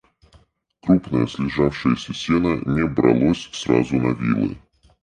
Крупное, слежавшееся сено не бралось сразу на вилы.